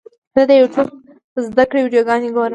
زه د یوټیوب زده کړې ویډیوګانې ګورم.